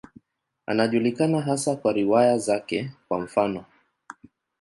Anajulikana hasa kwa riwaya zake, kwa mfano.